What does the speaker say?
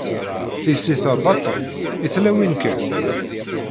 Tissit-a baṭel? I tlawin kan.